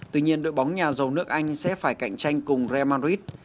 tuy nhiên đội bóng nhà giàu nước anh sẽ phải cạnh tranh cùng real madrid